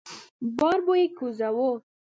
بار به يې کوزاوه.